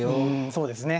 そうですね。